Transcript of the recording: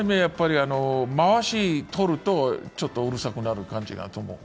まわしとると、ちょっとうるさくなる感じがあると思う。